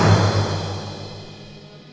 tidak ada apa apa